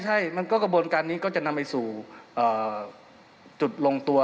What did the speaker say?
ใช่มันก็กระบวนการนี้ก็จะนำไปสู่จุดลงตัว